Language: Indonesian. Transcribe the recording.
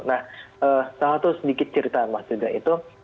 nah satu sedikit cerita mas ida itu